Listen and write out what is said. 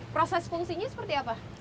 proses fungsinya seperti apa